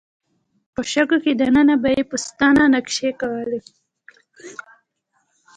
په شګو کې دننه به یې په ستنه نقاشۍ کولې.